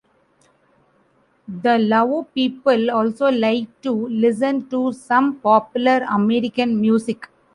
The Lao people also like to listen to some popular American music.